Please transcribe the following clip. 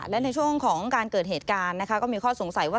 และในช่วงของการเกิดเหตุการณ์นะคะก็มีข้อสงสัยว่า